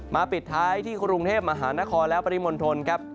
ปิดท้ายที่กรุงเทพมหานครและปริมณฑลครับ